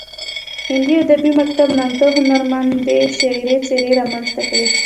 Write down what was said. هندي ادبي مکتب نامتو هنرمندې شعري څیرې رامنځته کړې